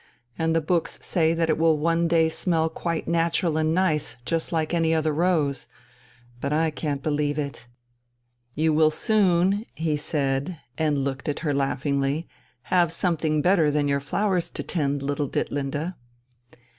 And the books say that it will one day smell quite natural and nice, just like any other rose. But I can't believe it." "You will soon," he said, and looked at her laughingly, "have something better than your flowers to tend, little Ditlinde."